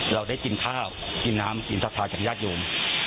เราได้กินข้าวกินน้ำกินซักทาจากญาติโยม